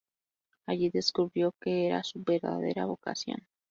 Allí descubrió que era su verdadera vocación.